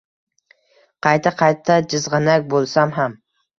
qayta-qayta jizgʼanak boʼlsam ham